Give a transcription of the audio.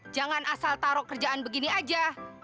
jangan asal taruh kerjaan begini aja